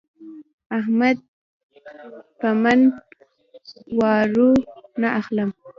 احمد په من جوارو نه اخلم.